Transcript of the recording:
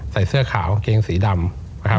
ใส่เสื้อขาวเกงสีดำ